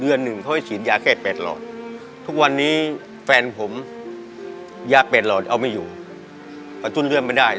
เดือนหนึ่งเขาจะฉีดยาแค่แปดหลอดทุกวันนี้แฟนผมยาแปดหลอดเอาไม่อยู่จุดเลือดไม่ได้